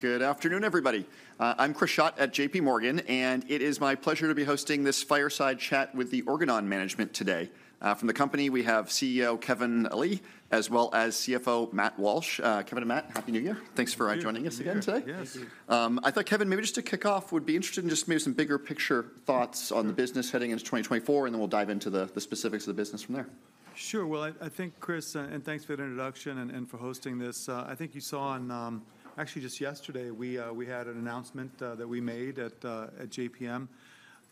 Good afternoon, everybody. I'm Chris Schott at JPMorgan, and it is my pleasure to be hosting this fireside chat with the Organon management today. From the company, we have CEO, Kevin Ali, as well as CFO, Matt Walsh. Kevin and Matt, Happy New Year! Thank you. Thanks for joining us again today. Yes. Thank you. I thought, Kevin, maybe just to kick off, would be interested in just maybe some bigger picture thoughts- Sure on the business heading into 2024, and then we'll dive into the specifics of the business from there. Sure. Well, I think, Chris, and thanks for that introduction and for hosting this. I think you saw on... Actually, just yesterday, we had an announcement that we made at JPM,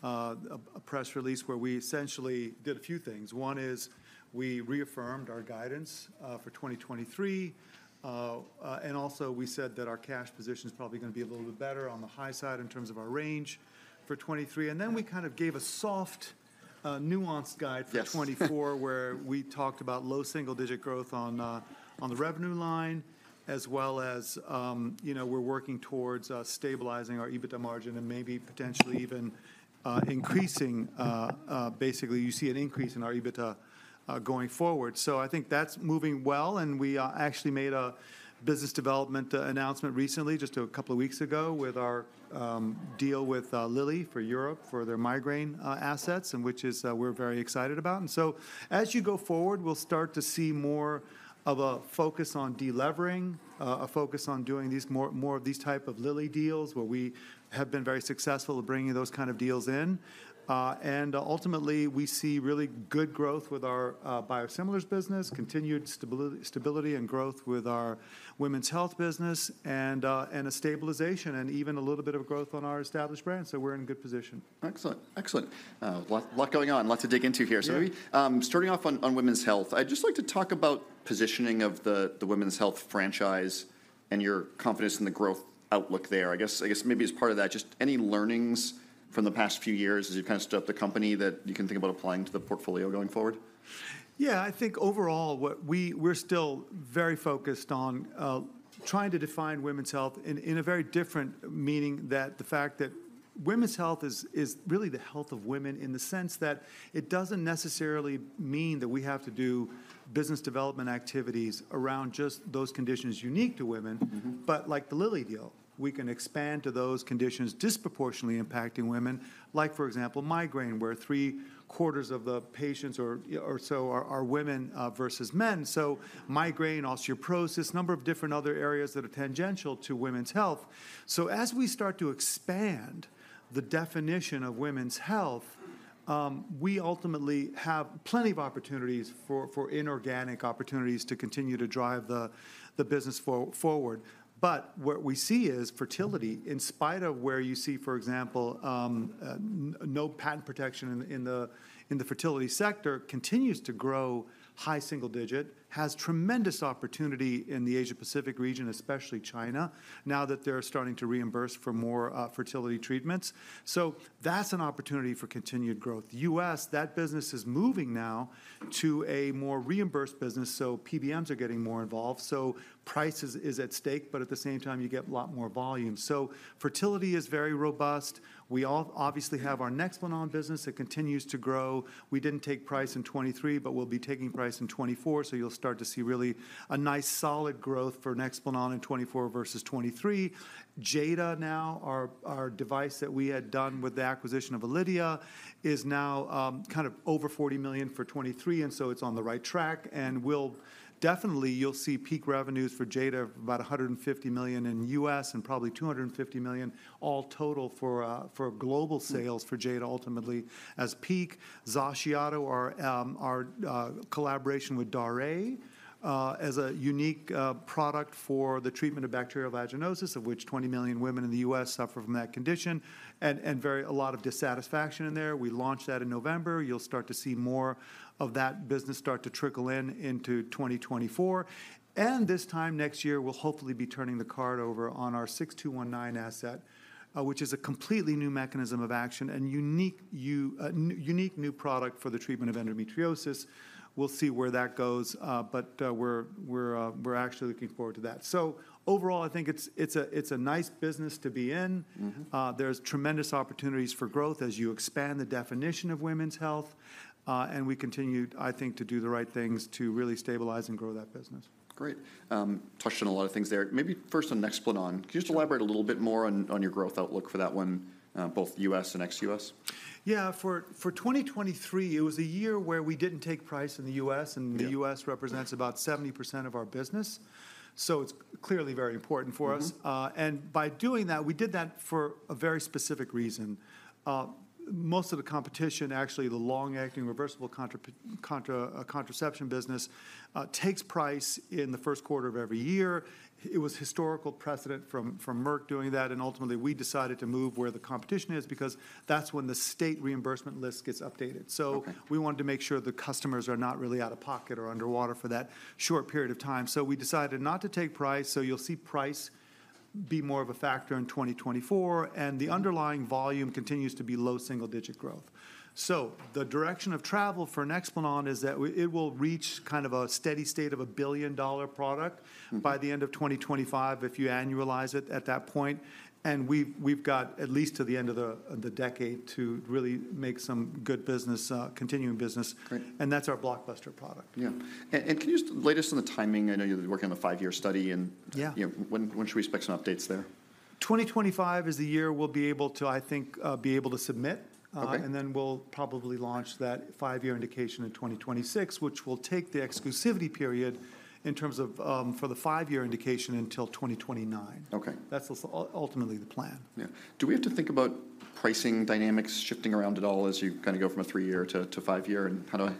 a press release where we essentially did a few things. One is, we reaffirmed our guidance for 2023. And also, we said that our cash position is probably gonna be a little bit better on the high side in terms of our range for 2023. Yeah. And then we kind of gave a soft, nuanced guide- Yes, For 2024, where we talked about low single-digit growth on the revenue line, as well as, you know, we're working towards stabilizing our EBITDA margin and maybe potentially even increasing. Basically, you see an increase in our EBITDA going forward. So I think that's moving well, and we actually made a business development announcement recently, just a couple of weeks ago, with our deal with Lilly for Europe for their migraine assets, and which is we're very excited about. And so, as you go forward, we'll start to see more of a focus on de-levering, a focus on doing these more, more of these type of Lilly deals, where we have been very successful at bringing those kind of deals in. Ultimately, we see really good growth with our biosimilars business, continued stability and growth with our women's health business, and a stabilization and even a little bit of a growth on our established brand. So we're in a good position. Excellent, excellent. A lot, a lot going on, a lot to dig into here. Yeah. Maybe, starting off on women's health, I'd just like to talk about positioning of the women's health franchise and your confidence in the growth outlook there. I guess maybe as part of that, just any learnings from the past few years as you've kind of built up the company, that you can think about applying to the portfolio going forward? Yeah, I think overall, what we. We're still very focused on trying to define women's health in, in a very different meaning, that the fact that women's health is, is really the health of women, in the sense that it doesn't necessarily mean that we have to do business development activities around just those conditions unique to women. Mm-hmm. But like the Lilly deal, we can expand to those conditions disproportionately impacting women, like, for example, migraine, where three-quarters of the patients or so are women versus men. So migraine, osteoporosis, number of different other areas that are tangential to women's health. So as we start to expand the definition of women's health, we ultimately have plenty of opportunities for inorganic opportunities to continue to drive the business forward. But what we see is fertility, in spite of where you see, for example, no patent protection in the fertility sector, continues to grow high single digit, has tremendous opportunity in the Asia Pacific region, especially China, now that they're starting to reimburse for more fertility treatments. So that's an opportunity for continued growth. U.S., that business is moving now to a more reimbursed business, so PBMs are getting more involved. So price is at stake, but at the same time, you get a lot more volume. So fertility is very robust. We obviously have our Nexplanon business that continues to grow. We didn't take price in 2023, but we'll be taking price in 2024, so you'll start to see really a nice, solid growth for Nexplanon in 2024 versus 2023. Jada now, our device that we had done with the acquisition of Alydia, is now kind of over $40 million for 2023, and so it's on the right track. And definitely, you'll see peak revenues for Jada of about $150 million in the U.S., and probably $250 million all total for global sales. Hmm For Jada, ultimately, as peak. Xaciato, our collaboration with Daré, is a unique product for the treatment of bacterial vaginosis, of which 20 million women in the U.S. suffer from that condition, and a lot of dissatisfaction in there. We launched that in November. You'll start to see more of that business start to trickle in into 2024. And this time next year, we'll hopefully be turning the card over on our 6219 asset, which is a completely new mechanism of action and unique new product for the treatment of endometriosis. We'll see where that goes, but, we're actually looking forward to that. So overall, I think it's a nice business to be in. Mm-hmm. There's tremendous opportunities for growth as you expand the definition of women's health. And we continue, I think, to do the right things to really stabilize and grow that business. Great. Touched on a lot of things there. Maybe first on Nexplanon. Sure. Can you just elaborate a little bit more on your growth outlook for that one, both U.S. and ex-U.S.? Yeah. For 2023, it was a year where we didn't take price in the U.S.- Yeah And the U.S. represents about 70% of our business, so it's clearly very important for us. Mm-hmm. And by doing that, we did that for a very specific reason. Most of the competition, actually, the long-acting, reversible contraception business, takes price in the first quarter of every year. It was historical precedent from Merck doing that, and ultimately, we decided to move where the competition is, because that's when the state reimbursement list gets updated. Okay. We wanted to make sure the customers are not really out of pocket or underwater for that short period of time. We decided not to take price, so you'll see price be more of a factor in 2024, and the- Mm Underlying volume continues to be low double-digit growth. So the direction of travel for Nexplanon is that it will reach kind of a steady state of a billion-dollar product- Mm By the end of 2025, if you annualize it at that point. And we've got at least to the end of the decade to really make some good business, continuing business. Great. That's our blockbuster product. Yeah. And can you just update us on the timing? I know you've been working on the five-year study, and- Yeah You know, when, when should we expect some updates there? 2025 is the year we'll be able to, I think, be able to submit. Okay. We'll probably launch that five-year indication in 2026, which will take the exclusivity period in terms of for the five-year indication until 2029. Okay. That's ultimately the plan. Yeah. Do we have to think about pricing dynamics shifting around at all as you kind of go from a 3-year to a 5-year, and I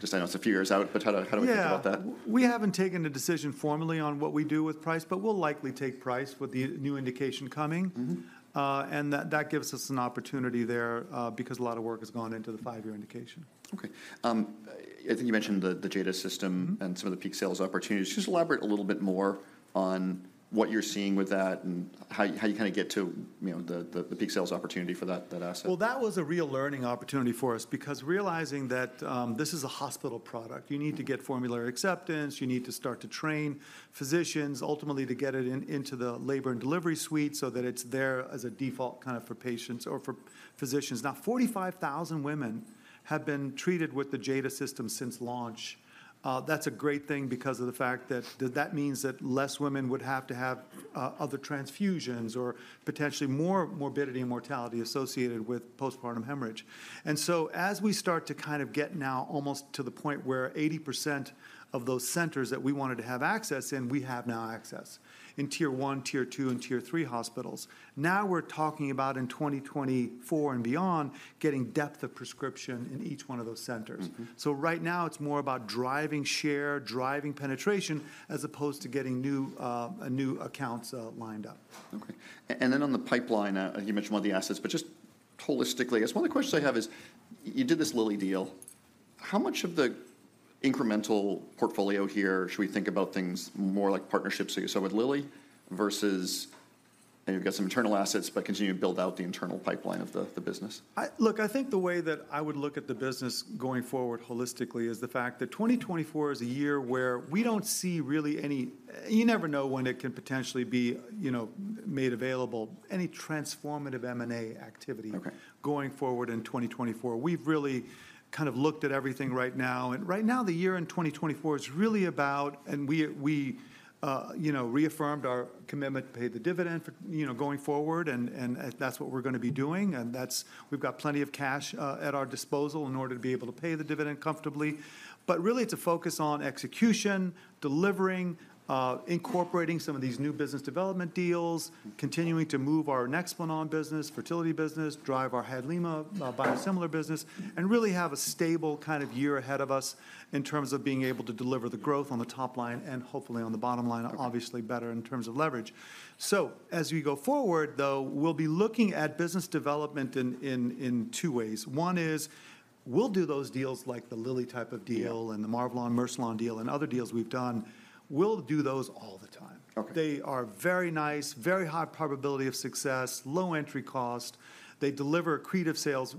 just know it's a few years out, but how do we think about that? Yeah, we haven't taken a decision formally on what we do with price, but we'll likely take price with the new indication coming. Mm-hmm. and that gives us an opportunity there, because a lot of work has gone into the five-year indication. Okay. I think you mentioned the Jada System- Mm-hmm And some of the peak sales opportunities. Just elaborate a little bit more on what you're seeing with that and how you kinda get to, you know, the peak sales opportunity for that asset. Well, that was a real learning opportunity for us because realizing that this is a hospital product, you need to get formulary acceptance, you need to start to train physicians ultimately to get it into the labor and delivery suite so that it's there as a default kind of for patients or for physicians. Now, 45,000 women have been treated with the Jada System since launch. That's a great thing because of the fact that that means that less women would have to have other transfusions or potentially more morbidity and mortality associated with postpartum hemorrhage. And so as we start to kind of get now almost to the point where 80% of those centers that we wanted to have access in, we have now access in Tier One, Tier Two, and Tier Three hospitals. Now, we're talking about in 2024 and beyond, getting depth of prescription in each one of those centers. Mm-hmm. So right now it's more about driving share, driving penetration, as opposed to getting new accounts lined up. Okay. And then on the pipeline, you mentioned one of the assets, but just holistically, I guess one of the questions I have is, you did this Lilly deal. How much of the incremental portfolio here should we think about things more like partnerships, so with Lilly, versus... And you've got some internal assets, but continue to build out the internal pipeline of the business? Look, I think the way that I would look at the business going forward holistically is the fact that 2024 is a year where we don't see really any. You never know when it can potentially be, you know, made available, any transformative M&A activity. Okay Going forward in 2024. We've really kind of looked at everything right now, and right now, the year in 2024 is really about- and we, we, you know, reaffirmed our commitment to pay the dividend for, you know, going forward, and, that's what we're gonna be doing. And that's- we've got plenty of cash at our disposal in order to be able to pay the dividend comfortably. But really, it's a focus on execution, delivering, incorporating some of these new business development deals, continuing to move our Nexplanon business, fertility business, drive our Hadlima, biosimilar business, and really have a stable kind of year ahead of us in terms of being able to deliver the growth on the top line and hopefully on the bottom line- Okay Obviously better in terms of leverage. So as we go forward, though, we'll be looking at business development in two ways. One is, we'll do those deals like the Lilly type of deal- Yeah And the Marvelon-Mercilon deal and other deals we've done. We'll do those all the time. Okay. They are very nice, very high probability of success, low entry cost. They deliver accretive sales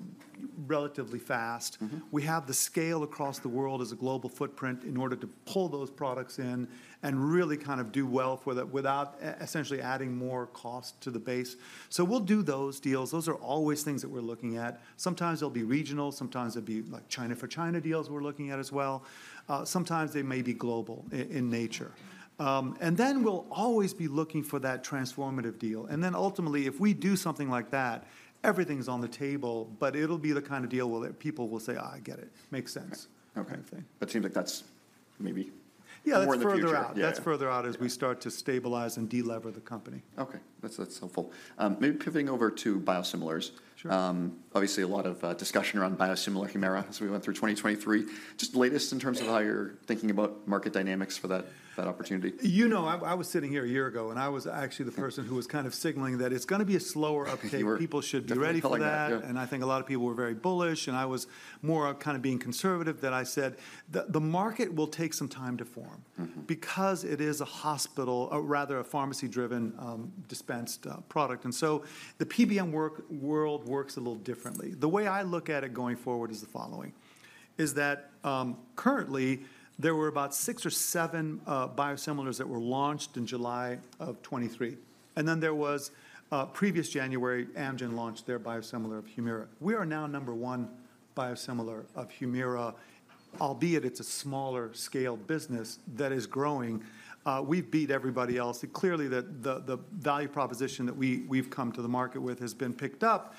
relatively fast. Mm-hmm. We have the scale across the world as a global footprint in order to pull those products in and really kind of do well without essentially adding more cost to the base. So we'll do those deals. Those are always things that we're looking at. Sometimes they'll be regional, sometimes they'll be, like China for China deals we're looking at as well. Sometimes they may be global in nature. And then we'll always be looking for that transformative deal, and then ultimately, if we do something like that, everything's on the table, but it'll be the kind of deal where the people will say, "I get it. Makes sense. Okay. Okay. That seems like that's maybe- Yeah, that's further out- More in the future. Yeah. That's further out as we- Yeah Start to stabilize and de-lever the company. Okay. That's, that's helpful. Maybe pivoting over to biosimilars. Sure. Obviously a lot of discussion around biosimilar Humira as we went through 2023. Just the latest in terms of how you're thinking about market dynamics for that, that opportunity. You know, I was sitting here a year ago, and I was actually the person who was kind of signaling that it's gonna be a slower uptake- You were People should be ready for that. Definitely calling that, yeah. I think a lot of people were very bullish, and I was more kind of being conservative, that I said, "The market will take some time to form- Mm-hmm Because it is a hospital, or rather a pharmacy-driven, dispensed, product." And so the PBM world works a little differently. The way I look at it going forward is the following: Is that, currently, there were about 6 or 7 biosimilars that were launched in July of 2023. And then there was, previous January, Amgen launched their biosimilar of Humira. We are now number one biosimilar of Humira, albeit it's a smaller scale business that is growing. We beat everybody else, and clearly, the value proposition that we've come to the market with has been picked up,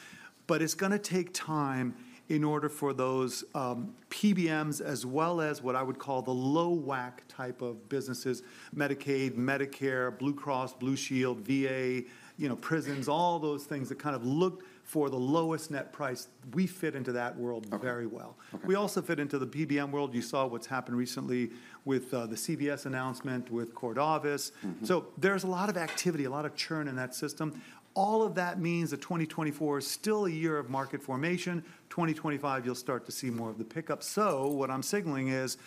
but it's gonna take time in order for those PBMs, as well as what I would call the low WAC type of businesses, Medicaid, Medicare, Blue Cross Blue Shield, VA, you know, prisons, all those things that kind of look for the lowest net price, we fit into that world very well. Okay. Okay. We also fit into the PBM world. You saw what's happened recently with the CVS announcement, with Cordavis. Mm-hmm. So there's a lot of activity, a lot of churn in that system. All of that means that 2024 is still a year of market formation. 2025, you'll start to see more of the pickup. So what I'm signaling is,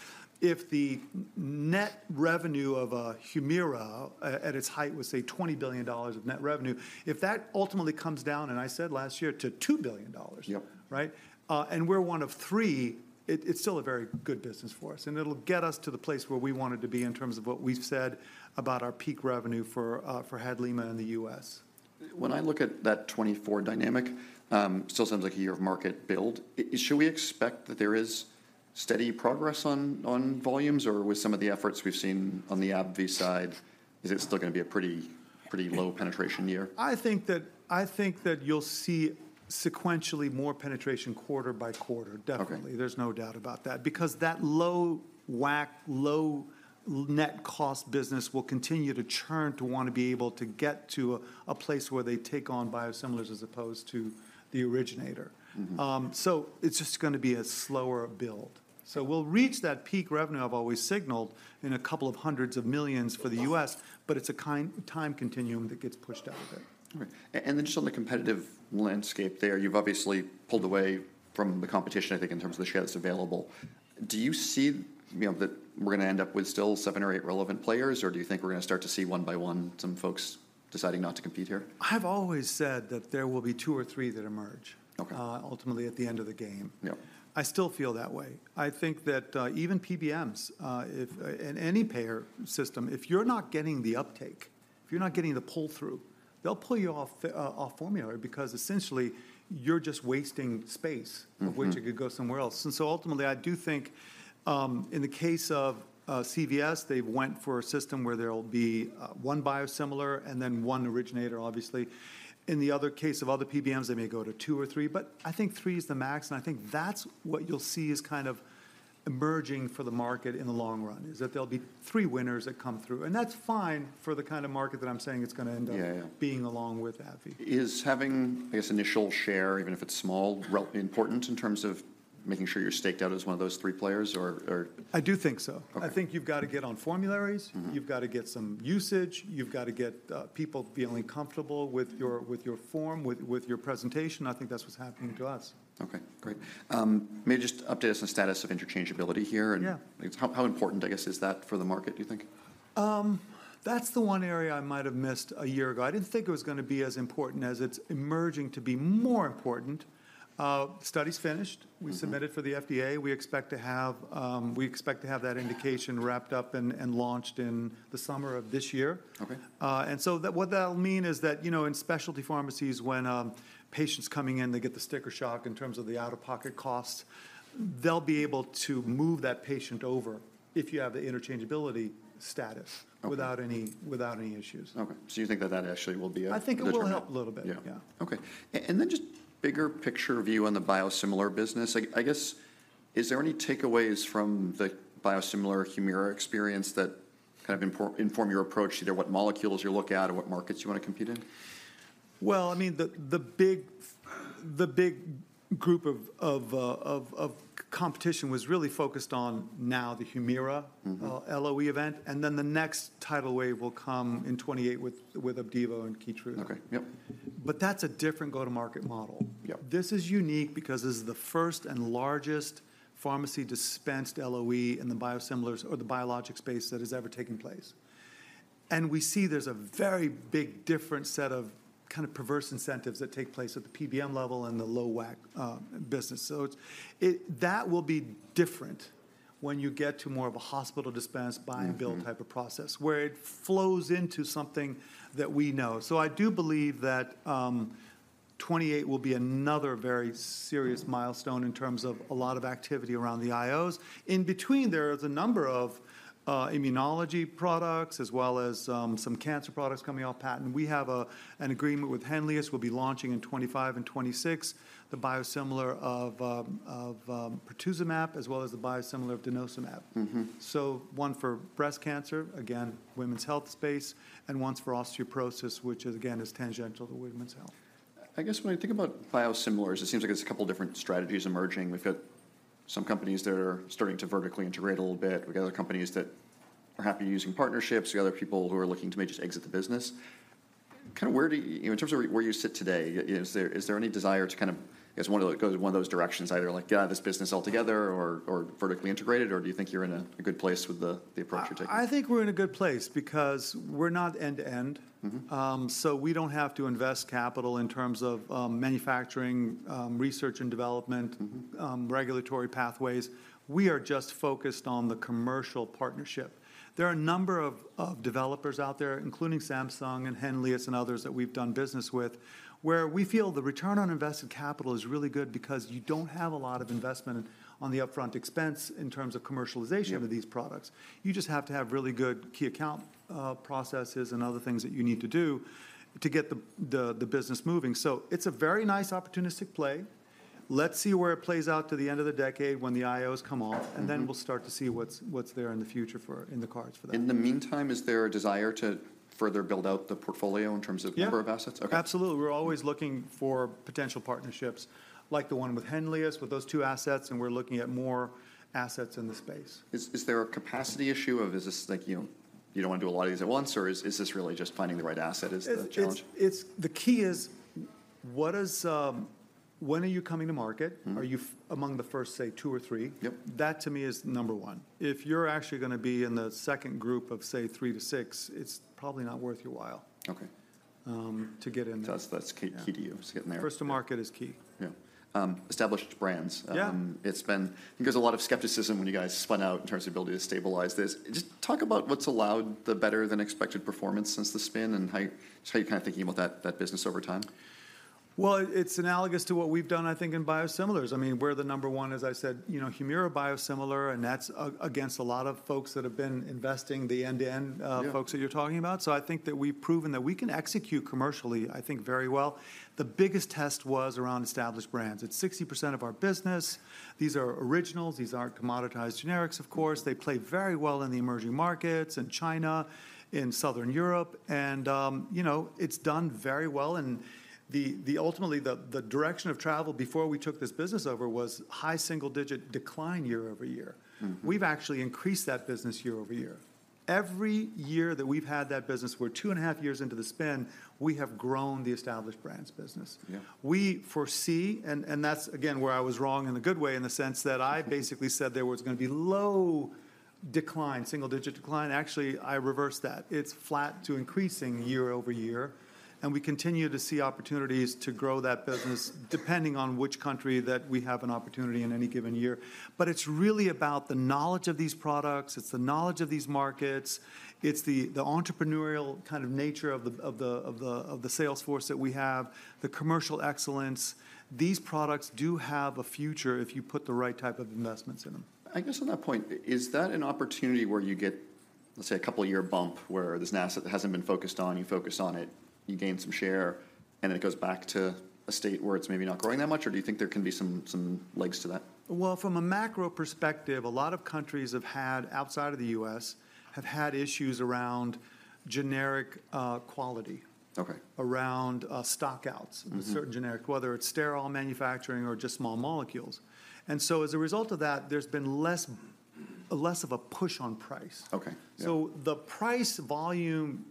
if the net revenue of Humira at its height was, say, $20 billion of net revenue, if that ultimately comes down, and I said last year, to $2 billion- Yep Right? And we're one of three. It's still a very good business for us, and it'll get us to the place where we wanted to be in terms of what we've said about our peak revenue for Hadlima in the U.S. When I look at that 2024 dynamic, still seems like a year of market build. Should we expect that there is steady progress on volumes, or with some of the efforts we've seen on the AbbVie side, is it still going to be a pretty, pretty low penetration year? I think that you'll see sequentially more penetration quarter by quarter, definitely. Okay. There's no doubt about that. Because that low WAC, low net cost business will continue to churn, to want to be able to get to a place where they take on biosimilars as opposed to the originator. Mm-hmm. It's just going to be a slower build. We'll reach that peak revenue I've always signaled in $200 million for the U.S., but it's a kind of time continuum that gets pushed out a bit. Okay. And then just on the competitive landscape there, you've obviously pulled away from the competition, I think, in terms of the share that's available. Do you see, you know, that we're going to end up with still seven or eight relevant players, or do you think we're going to start to see, one by one, some folks deciding not to compete here? I've always said that there will be two or three that emerge- Okay Ultimately at the end of the game. Yep. I still feel that way. I think that even PBMs, in any payer system, if you're not getting the uptake, if you're not getting the pull-through, they'll pull you off formulary, because essentially you're just wasting space. Mm-hmm Which could go somewhere else. So ultimately, I do think, in the case of, CVS, they've went for a system where there'll be, one biosimilar and then one originator, obviously. In the other case of other PBMs, they may go to two or three, but I think three is the max, and I think that's what you'll see is kind of emerging for the market in the long run, is that there'll be three winners that come through. That's fine for the kind of market that I'm saying it's going to end up- Yeah, yeah Being, along with AbbVie. Is having, I guess, initial share, even if it's small, important in terms of making sure you're staked out as one of those three players, or, or- I do think so. Okay. I think you've got to get on formularies. Mm-hmm. You've got to get some usage. You've got to get people feeling comfortable with your form, with your presentation. I think that's what's happening to us. Okay, great. Maybe just update us on the status of interchangeability here, and- Yeah How important, I guess, is that for the market, do you think? That's the one area I might have missed a year ago. I didn't think it was going to be as important as it's emerging to be more important. Study's finished. Mm-hmm. We submitted for the FDA. We expect to have that indication wrapped up and launched in the summer of this year. Okay. and so that what that'll mean is that, you know, in specialty pharmacies, when patients coming in, they get the sticker shock in terms of the out-of-pocket costs, they'll be able to move that patient over if you have the interchangeability status- Okay Without any issues. Okay. So you think that that actually will be a determinant? I think it will help a little bit. Yeah. Yeah. Okay. And then just bigger picture view on the biosimilar business. I guess, is there any takeaways from the biosimilar Humira experience that kind of inform your approach, either what molecules you look at or what markets you want to compete in? Well, I mean, the big group of competition was really focused on now the Humira- Mm-hmm LOE event, and then the next tidal wave will come in 2028 with Opdivo and Keytruda. Okay. Yep. But that's a different go-to-market model. Yep. This is unique because this is the first and largest pharmacy-dispensed LOE in the biosimilars or the biologic space that has ever taken place. And we see there's a very big different set of kind of perverse incentives that take place at the PBM level and the low WAC business. So that will be different when you get to more of a hospital-dispensed buy-and-bill type of process- Mm-hmm Where it flows into something that we know. So I do believe that, 2028 will be another very serious milestone in terms of a lot of activity around the IOs. In between, there is a number of, immunology products, as well as, some cancer products coming off patent. We have an agreement with Henlius, we'll be launching in 2025 and 2026, the biosimilar of pertuzumab, as well as the biosimilar of denosumab. Mm-hmm. One for breast cancer, again, women's health space, and one's for osteoporosis, which again, is tangential to women's health. I guess when I think about biosimilars, it seems like there's a couple different strategies emerging. We've got some companies that are starting to vertically integrate a little bit. We've got other companies that are happy using partnerships. We've got other people who are looking to maybe just exit the business. Kind of where do you- in terms of where you sit today, is there, is there any desire to kind of, I guess, want to go to one of those directions, either, like, get out of this business altogether or, or vertically integrated, or do you think you're in a, a good place with the, the approach you're taking? I think we're in a good place because we're not end-to-end. Mm-hmm. So we don't have to invest capital in terms of manufacturing, research and development- Mm-hmm Regulatory pathways. We are just focused on the commercial partnership. There are a number of developers out there, including Samsung and Henlius and others that we've done business with, where we feel the return on invested capital is really good because you don't have a lot of investment on the upfront expense in terms of commercialization. Yeah Of these products. You just have to have really good key account processes and other things that you need to do to get the business moving. So it's a very nice opportunistic play. Let's see where it plays out to the end of the decade when the IOs come off- Mm-hmm And then we'll start to see what's, what's there in the future for, in the cards for that. In the meantime, is there a desire to further build out the portfolio in terms of- Yeah Number of assets? Okay. Absolutely. We're always looking for potential partnerships, like the one with Henlius, with those two assets, and we're looking at more assets in the space. Is there a capacity issue or is this like, you know, you don't want to do a lot of these at once, or is this really just finding the right asset the challenge? It's. The key is, what is when are you coming to market? Mm-hmm. Are you among the first, say, two or three? Yep. That, to me, is number one. If you're actually going to be in the second group of, say, 3-6, it's probably not worth your while- Okay To get in. That's key- Yeah Key to you, is getting there. First to market is key. Yeah. Established brands. Yeah. It's been... There's a lot of skepticism when you guys spun out in terms of ability to stabilize this. Just talk about what's allowed the better-than-expected performance since the spin, and how, just how you're kind of thinking about that, that business over time. Well, it's analogous to what we've done, I think, in biosimilars. I mean, we're the number one, as I said, you know, Humira biosimilar, and that's against a lot of folks that have been investing, the end-to-end- Yeah Folks that you're talking about. So I think that we've proven that we can execute commercially, I think, very well. The biggest test was around established brands. It's 60% of our business. These are originals. These aren't commoditized generics, of course. They play very well in the emerging markets, in China, in Southern Europe, and, you know, it's done very well. And ultimately, the direction of travel before we took this business over was high single-digit decline year-over-year. Mm-hmm. We've actually increased that business year-over-year. Every year that we've had that business, we're 2.5 years into the spin, we have grown the established brands business. Yeah. We foresee, and that's, again, where I was wrong in a good way, in the sense that I basically said there was gonna be low decline, single-digit decline. Actually, I reversed that. It's flat to increasing year-over-year, and we continue to see opportunities to grow that business, depending on which country that we have an opportunity in any given year. But it's really about the knowledge of these products, it's the knowledge of these markets, it's the entrepreneurial kind of nature of the sales force that we have, the commercial excellence. These products do have a future if you put the right type of investments in them. I guess on that point, is that an opportunity where you get, let's say, a couple-year bump, where this asset that hasn't been focused on, you focus on it, you gain some share, and then it goes back to a state where it's maybe not growing that much? Or do you think there can be some legs to that? Well, from a macro perspective, a lot of countries have had, outside of the U.S., have had issues around generic quality- Okay Around stock-outs- Mm-hmm Of a certain generic, whether it's sterile manufacturing or just small molecules. So as a result of that, there's been less of a push on price. Okay. Yeah. So the price-volume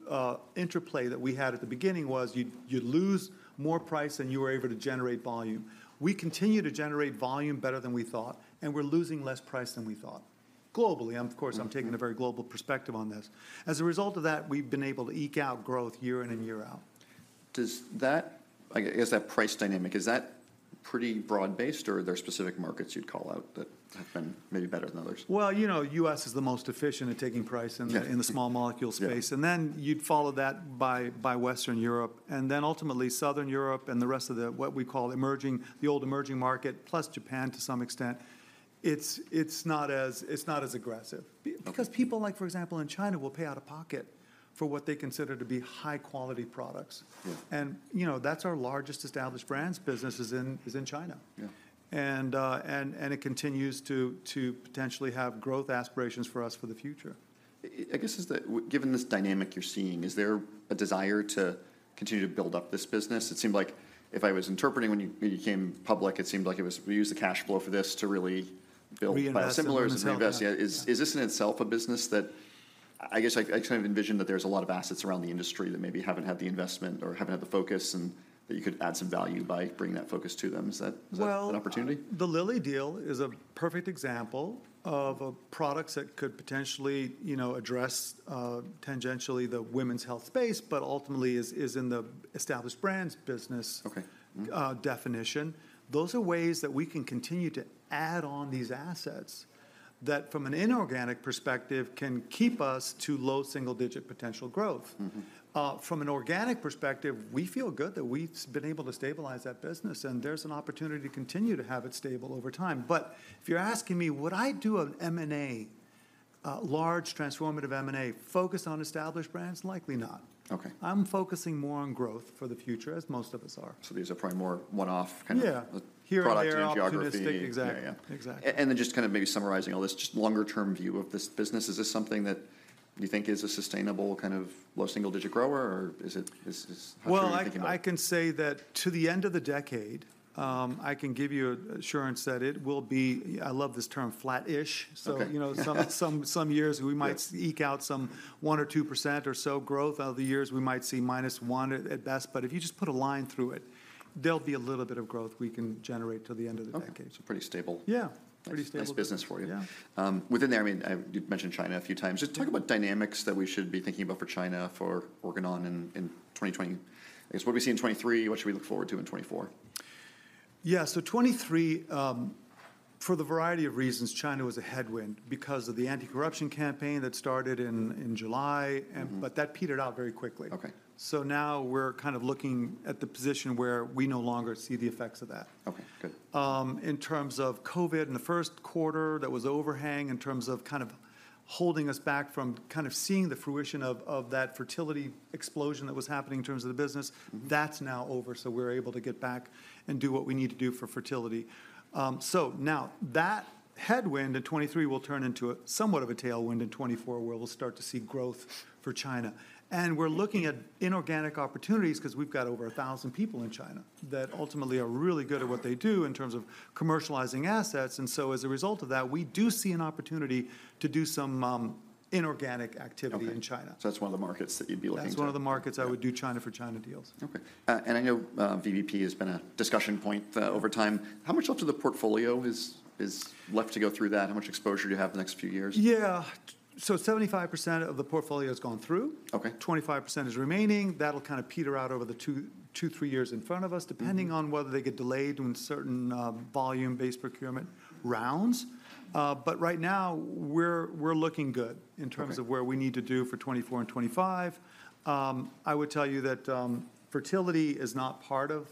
interplay that we had at the beginning was you'd lose more price than you were able to generate volume. We continue to generate volume better than we thought, and we're losing less price than we thought. Globally, of course, I'm taking a very global perspective on this. As a result of that, we've been able to eke out growth year in and year out. Does that... I guess, that price dynamic, is that pretty broad-based, or are there specific markets you'd call out that have been maybe better than others? Well, you know, U.S. is the most efficient at taking price in the- Yeah In the small molecule space. Yeah. Then you'd follow that by Western Europe, and then ultimately Southern Europe and the rest of what we call emerging, the old emerging market, plus Japan to some extent. It's not as aggressive. Okay. Because people, like, for example, in China, will pay out of pocket for what they consider to be high-quality products. Yeah. You know, that's our largest established brands business is in China. Yeah. It continues to potentially have growth aspirations for us for the future. I guess, given this dynamic you're seeing, is there a desire to continue to build up this business? It seemed like, if I was interpreting when you, when you came public, it seemed like it was, "We use the cash flow for this to really build- Reinvest in itself. Biosimilars and reinvest. Yeah. Is this in itself a business that... I guess I kind of envision that there's a lot of assets around the industry that maybe haven't had the investment or haven't had the focus, and that you could add some value by bringing that focus to them. Is that- Well- An opportunity? The Lilly deal is a perfect example of products that could potentially, you know, address tangentially the women's health space, but ultimately is, is in the established brands business. Okay Definition. Those are ways that we can continue to add on these assets, that from an inorganic perspective, can keep us to low single-digit potential growth. Mm-hmm. From an organic perspective, we feel good that we've been able to stabilize that business, and there's an opportunity to continue to have it stable over time. But if you're asking me, would I do an M&A, a large transformative M&A, focused on established brands? Likely not. Okay. I'm focusing more on growth for the future, as most of us are. These are probably more one-off kind of- Yeah Product and geography. Here and there, opportunistic. Exactly. Yeah, yeah. Exactly. And then just kind of maybe summarizing all this, just longer-term view of this business, is this something that you think is a sustainable kind of low single-digit grower, or is it... How are you thinking about it? Well, I can say that to the end of the decade, I can give you assurance that it will be, I love this term, flat-ish. Okay. So, you know, some years- Yeah We might eke out some 1 or 2% or so growth. Other years, we might see -1% at best. But if you just put a line through it, there'll be a little bit of growth we can generate till the end of the decade. Okay. So pretty stable. Yeah, pretty stable. Nice business for you. Yeah. Within there, I mean, you've mentioned China a few times. Just talk about dynamics that we should be thinking about for China, for Organon in 2020. I guess, what we see in 2023, what should we look forward to in 2024? Yeah, so 2023, for the variety of reasons, China was a headwind because of the anti-corruption campaign that started in July, and- Mm-hmm But that petered out very quickly. Okay. Now we're kind of looking at the position where we no longer see the effects of that. Okay, good. In terms of COVID in the first quarter, that was overhang in terms of kind of holding us back from kind of seeing the fruition of that fertility explosion that was happening in terms of the business. That's now over, so we're able to get back and do what we need to do for fertility. That headwind in 2023 will turn into somewhat of a tailwind in 2024, where we'll start to see growth for China. And we're looking at inorganic opportunities, 'cause we've got over a thousand people in China, that ultimately are really good at what they do in terms of commercializing assets. And so, as a result of that, we do see an opportunity to do some inorganic activity- Okay. In China. That's one of the markets that you'd be looking to— That's one of the markets. Yeah. I would do China-for-China deals. Okay. I know, VBP has been a discussion point over time. How much left of the portfolio is left to go through that? How much exposure do you have in the next few years? Yeah. So 75% of the portfolio has gone through. Okay. 25% is remaining. That'll kind of peter out over the 2, 2, 3 years in front of us- Mm-hmm Depending on whether they get delayed in certain volume-based procurement rounds. But right now, we're looking good- Okay. In terms of where we need to do for 2024 and 2025. I would tell you that, fertility is not part of-...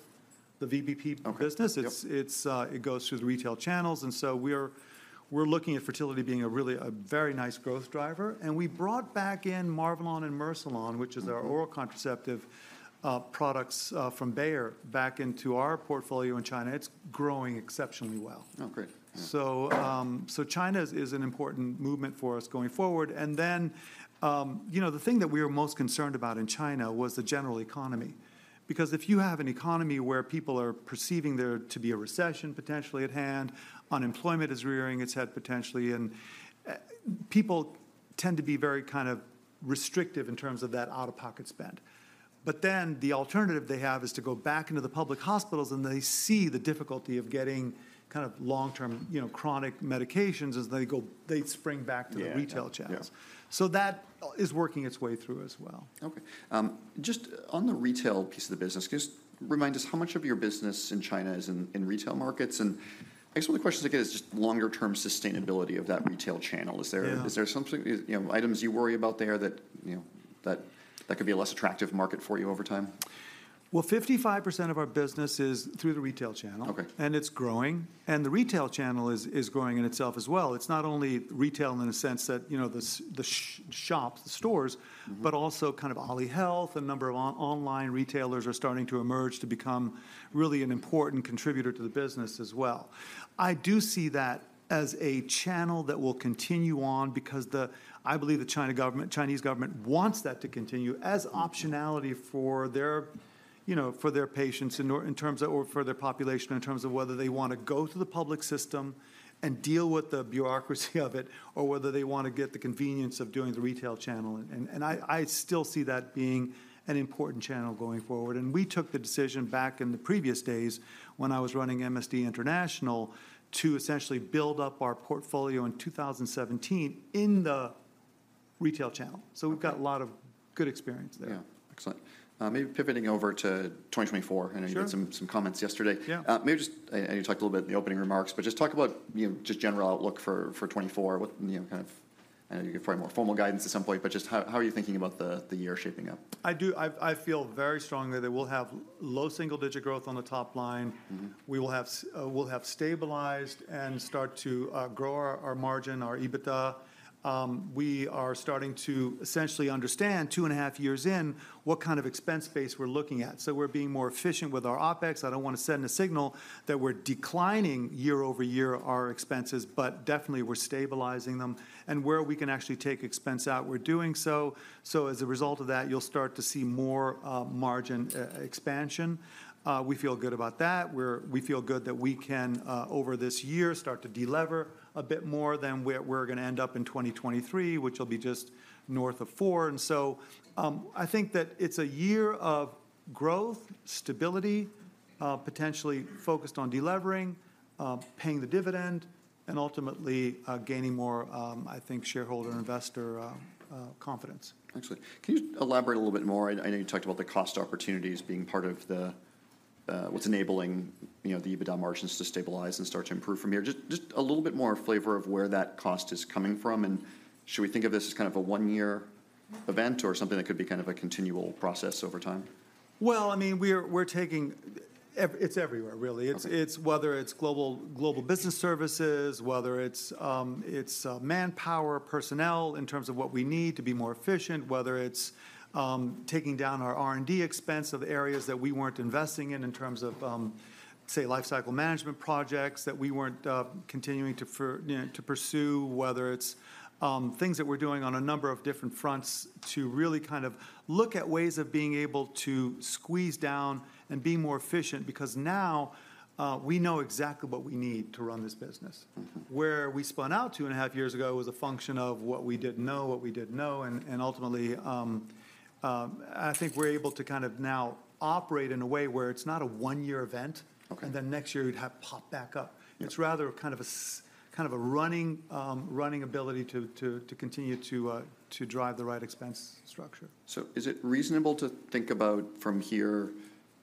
the VBP business- Okay, yep. It goes through the retail channels, and so we're looking at fertility being a really, a very nice growth driver. And we brought back in Marvelon and Mercilon- Mm-hmm Which is our oral contraceptive products from Bayer back into our portfolio in China. It's growing exceptionally well. Oh, great. So China is an important movement for us going forward. And then, you know, the thing that we were most concerned about in China was the general economy. Because if you have an economy where people are perceiving there to be a recession potentially at hand, unemployment is rearing its head potentially, and people tend to be very kind of restrictive in terms of that out-of-pocket spend. But then, the alternative they have is to go back into the public hospitals, and they see the difficulty of getting kind of long-term, you know, chronic medications as they go—they spring back to the- Yeah Retail channels. Yeah. That is working its way through as well. Okay. Just on the retail piece of the business, can you just remind us how much of your business in China is in retail markets? I guess one of the questions I get is just longer term sustainability of that retail channel. Yeah. Is there something, you know, items you worry about there that, you know, that could be a less attractive market for you over time? Well, 55% of our business is through the retail channel. Okay. And it's growing, and the retail channel is growing in itself as well. It's not only retail in the sense that, you know, the shops, the stores- Mm-hmm But also kind of AliHealth, a number of online retailers are starting to emerge to become really an important contributor to the business as well. I do see that as a channel that will continue on because the... I believe the Chinese government wants that to continue as optionality for their, you know, for their patients in or-- in terms of, or for their population, in terms of whether they want to go to the public system and deal with the bureaucracy of it, or whether they want to get the convenience of doing the retail channel. And I still see that being an important channel going forward. And we took the decision back in the previous days when I was running MSD International, to essentially build up our portfolio in 2017 in the retail channel. Okay. We've got a lot of good experience there. Yeah. Excellent. Maybe pivoting over to 2024. Sure. I know you had some comments yesterday. Yeah. Maybe just... And you talked a little bit in the opening remarks, but just talk about, you know, just general outlook for 2024, what, you know, kind of... I know you'll give probably more formal guidance at some point, but just how are you thinking about the year shaping up? I do. I feel very strongly that we'll have low single-digit growth on the top line. Mm-hmm. We'll have stabilized and start to grow our margin, our EBITDA. We are starting to essentially understand 2.5 years in, what kind of expense base we're looking at. So we're being more efficient with our OpEx. I don't want to send a signal that we're declining year-over-year our expenses, but definitely we're stabilizing them. And where we can actually take expense out, we're doing so. So as a result of that, you'll start to see more margin expansion. We feel good about that. We feel good that we can over this year start to de-lever a bit more than where we're gonna end up in 2023, which will be just north of 4. And so, I think that it's a year of growth, stability, potentially focused on delevering, paying the dividend, and ultimately, gaining more, I think, shareholder investor confidence. Excellent. Can you elaborate a little bit more? I know you talked about the cost opportunities being part of the, what's enabling, you know, the EBITDA margins to stabilize and start to improve from here. Just a little bit more flavor of where that cost is coming from, and should we think of this as kind of a one-year event or something that could be kind of a continual process over time? Well, I mean, it's everywhere, really. Okay. It's whether it's global business services, whether it's manpower, personnel, in terms of what we need to be more efficient, whether it's taking down our R&D expense of areas that we weren't investing in, in terms of say, life cycle management projects that we weren't continuing to further you know, to pursue, whether it's things that we're doing on a number of different fronts to really kind of look at ways of being able to squeeze down and be more efficient, because now we know exactly what we need to run this business. Mm-hmm. Where we spun out two and a half years ago was a function of what we didn't know, what we didn't know, and ultimately, I think we're able to kind of now operate in a way where it's not a one-year event- Okay And then next year it'd have popped back up. Yeah. It's rather kind of a running ability to continue to drive the right expense structure. So is it reasonable to think about from here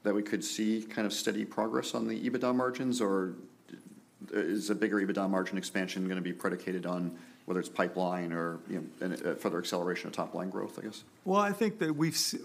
that we could see kind of steady progress on the EBITDA margins, or is a bigger EBITDA margin expansion gonna be predicated on whether it's pipeline or, you know, a further acceleration of top-line growth, I guess? Well, I think that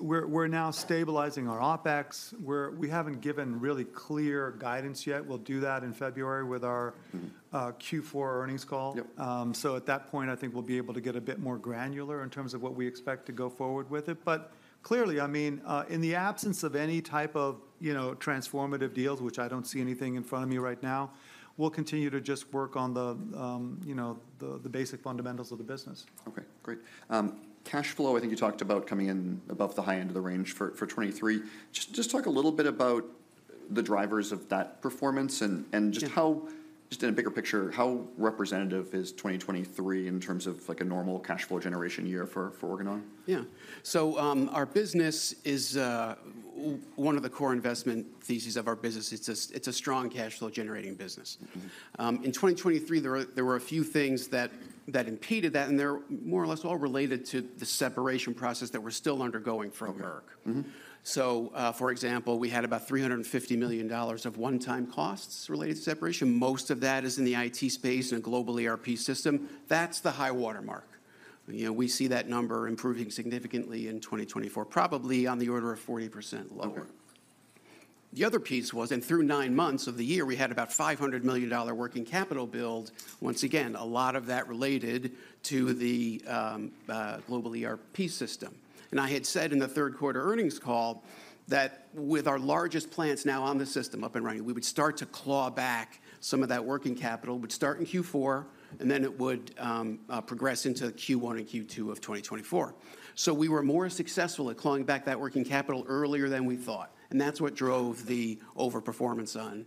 we're now stabilizing our OpEx. We haven't given really clear guidance yet. We'll do that in February with our- Mm-hmm Q4 earnings call. Yep. So at that point, I think we'll be able to get a bit more granular in terms of what we expect to go forward with it. But clearly, I mean, in the absence of any type of, you know, transformative deals, which I don't see anything in front of me right now, we'll continue to just work on the, you know, the basic fundamentals of the business. Okay, great. Cash flow, I think you talked about coming in above the high end of the range for 2023. Just talk a little bit about the drivers of that performance, and... Yeah Just in a bigger picture, how representative is 2023 in terms of, like, a normal cash flow generation year for Organon? Yeah. So, our business is one of the core investment theses of our business. It's a strong cash flow-generating business. Mm-hmm. In 2023, there were a few things that impeded that, and they're more or less all related to the separation process that we're still undergoing from Merck. Okay. Mm-hmm. So, for example, we had about $350 million of one-time costs related to separation. Most of that is in the IT space and a global ERP system. That's the high water mark... you know, we see that number improving significantly in 2024, probably on the order of 40% lower. The other piece was, and through nine months of the year, we had about $500 million working capital build. Once again, a lot of that related to the global ERP system. And I had said in the third quarter earnings call, that with our largest plants now on the system up and running, we would start to claw back some of that working capital, would start in Q4, and then it would progress into Q1 and Q2 of 2024. We were more successful at clawing back that working capital earlier than we thought, and that's what drove the overperformance on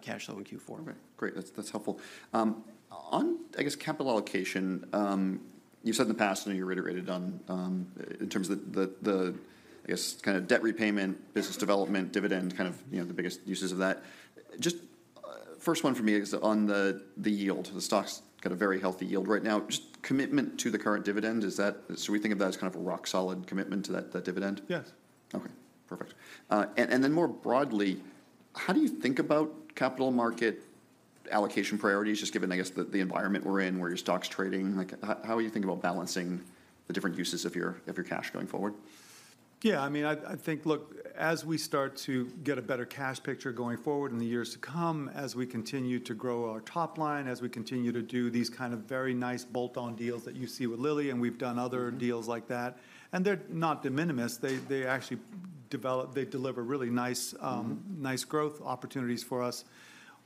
cash flow in Q4. Great. That's, that's helpful. On, I guess, capital allocation, you've said in the past, and you reiterated on, in terms of the, the, I guess, kinda debt repayment, business development, dividend, kind of, you know, the biggest uses of that. Just, first one for me is on the, the yield. The stock's got a very healthy yield right now. Just commitment to the current dividend, is that- so we think of that as kind of a rock-solid commitment to that, that dividend? Yes. Okay, perfect. And then more broadly, how do you think about capital market allocation priorities, just given, I guess, the environment we're in, where your stock's trading? Like, how you think about balancing the different uses of your cash going forward? Yeah, I mean, I think, look, as we start to get a better cash picture going forward in the years to come, as we continue to grow our top line, as we continue to do these kind of very nice bolt-on deals that you see with Lilly, and we've done other deals like that. And they're not de minimis, they actually deliver really nice, nice growth opportunities for us.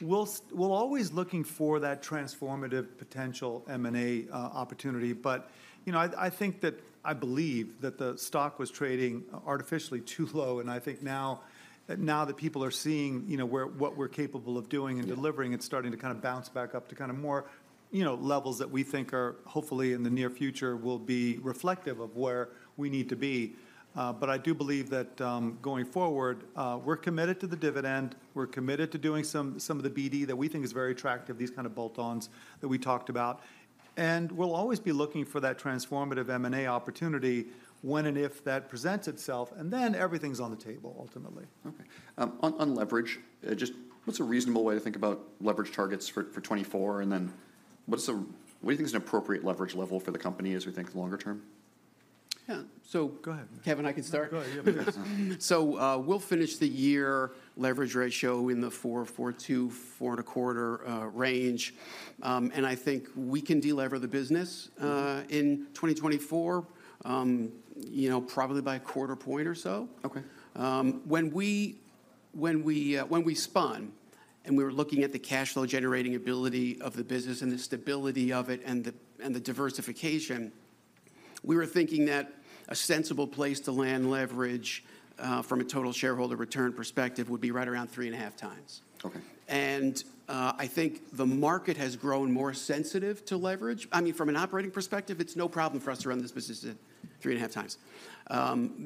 We're always looking for that transformative potential M&A opportunity, but, you know, I think that I believe that the stock was trading artificially too low, and I think now that people are seeing, you know, what we're capable of doing- Yeah And delivering, it's starting to kind of bounce back up to kinda more, you know, levels that we think are hopefully, in the near future, will be reflective of where we need to be. But I do believe that, going forward, we're committed to the dividend, we're committed to doing some of the BD that we think is very attractive, these kind of bolt-ons that we talked about. And we'll always be looking for that transformative M&A opportunity when and if that presents itself, and then everything's on the table ultimately. Okay. On leverage, just what's a reasonable way to think about leverage targets for 2024? And then, what do you think is an appropriate leverage level for the company as we think longer term? Yeah. So. Go ahead. Kevin, I can start? Go ahead, yeah. So, we'll finish the year leverage ratio in the 4.4-4.25 range. And I think we can de-lever the business- Mm-hmm In 2024, you know, probably by a quarter point or so. Okay. When we spun, and we were looking at the cash flow generating ability of the business and the diversification, we were thinking that a sensible place to land leverage from a total shareholder return perspective would be right around 3.5x. Okay. I think the market has grown more sensitive to leverage. I mean, from an operating perspective, it's no problem for us to run this business at 3.5x.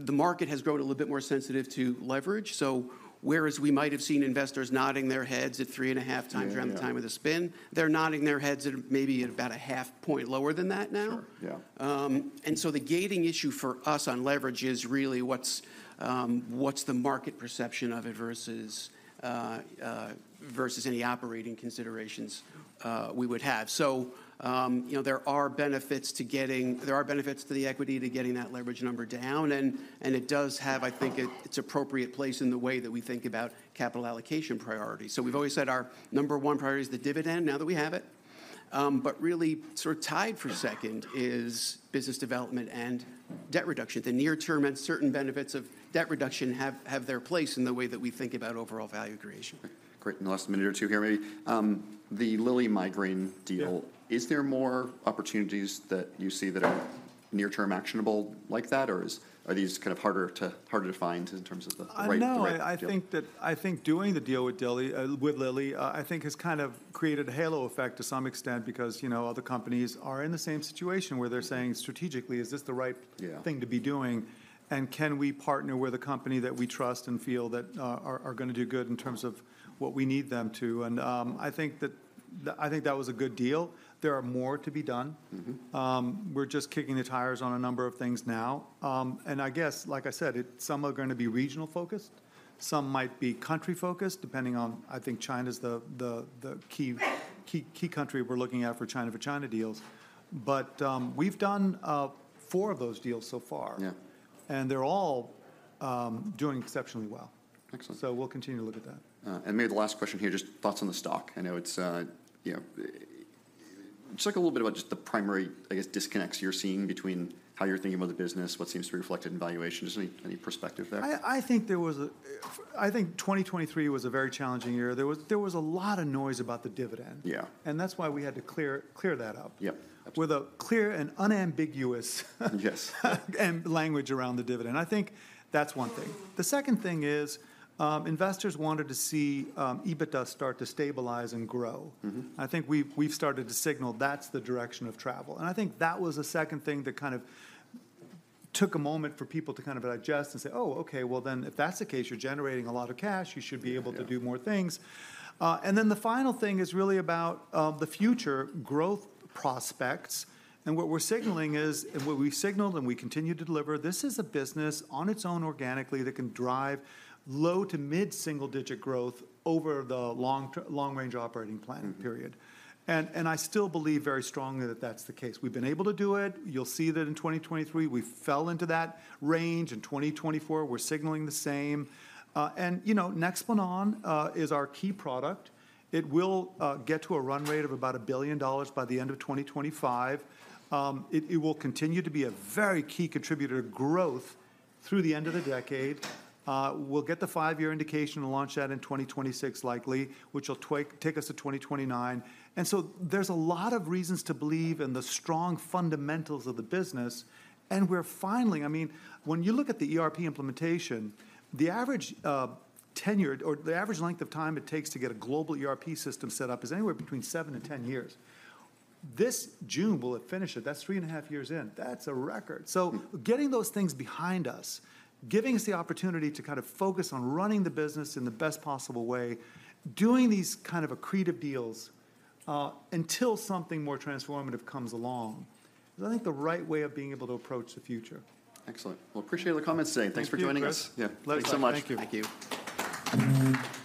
The market has grown a little bit more sensitive to leverage, so whereas we might have seen investors nodding their heads at 3.5x. Yeah, yeah Around the time of the spin, they're nodding their heads at maybe at about 0.5 point lower than that now. Sure. Yeah. And so the gating issue for us on leverage is really what's the market perception of it versus any operating considerations we would have. So, you know, there are benefits to the equity, to getting that leverage number down, and it does have, I think, its appropriate place in the way that we think about capital allocation priorities. So we've always said our number one priority is the dividend, now that we have it. But really sort of tied for second is business development and debt reduction. The near term and certain benefits of debt reduction have their place in the way that we think about overall value creation. Great. In the last minute or two here, maybe. The Lilly migraine deal- Yeah Is there more opportunities that you see that are near-term actionable like that, or are these kind of harder to find in terms of the right deal? No, I think doing the deal with Lilly, I think has kind of created a halo effect to some extent because, you know, other companies are in the same situation, where they're saying strategically: Is this the right- Yeah Thing to be doing? And can we partner with a company that we trust and feel that are gonna do good in terms of what we need them to? And, I think that was a good deal. There are more to be done. Mm-hmm. We're just kicking the tires on a number of things now. I guess, like I said, some are gonna be regional focused, some might be country focused, depending on... I think China's the key country we're looking at for China deals. But, we've done four of those deals so far. Yeah. They're all doing exceptionally well. Excellent. We'll continue to look at that. And maybe the last question here, just thoughts on the stock. I know it's, you know... Just talk a little bit about just the primary, I guess, disconnects you're seeing between how you're thinking about the business, what seems to be reflected in valuation. Just any, any perspective there? I think 2023 was a very challenging year. There was a lot of noise about the dividend. Yeah. That's why we had to clear that up- Yep, absolutely With a clear and unambiguous - Yes. Language around the dividend. I think that's one thing. The second thing is, investors wanted to see, EBITDA start to stabilize and grow. Mm-hmm. I think we've started to signal that's the direction of travel. I think that was the second thing that kind of took a moment for people to kind of digest and say: "Oh, okay, well then, if that's the case, you're generating a lot of cash, you should be able to do more things. Yeah. and then the final thing is really about the future growth prospects. And what we're signaling is, and what we signaled and we continue to deliver, this is a business on its own, organically, that can drive low to mid-single digit growth over the long range operating planning period. Mm-hmm. I still believe very strongly that that's the case. We've been able to do it. You'll see that in 2023, we fell into that range. In 2024, we're signaling the same. And, you know, Nexplanon is our key product. It will get to a run rate of about $1 billion by the end of 2025. It will continue to be a very key contributor to growth through the end of the decade. We'll get the five-year indication and launch that in 2026 likely, which will take us to 2029. And so there's a lot of reasons to believe in the strong fundamentals of the business, and we're finally... I mean, when you look at the ERP implementation, the average tenured, or the average length of time it takes to get a global ERP system set up is anywhere between seven and 10 years. This June, we'll have finished it. That's three and a half years in. That's a record! So getting those things behind us, giving us the opportunity to kind of focus on running the business in the best possible way, doing these kind of accretive deals, until something more transformative comes along, is, I think, the right way of being able to approach the future. Excellent. Well, appreciate all the comments today. Thank you, Chris. Thanks for joining us. Yeah. Thanks so much. Thank you. Thank you.